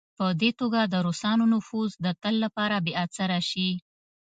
په دې توګه د روسانو نفوذ د تل لپاره بې اثره شي.